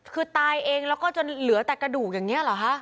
คือตายเองแล้วก็จนเหลือแต่กระดูกอย่างนี้เหรอคะ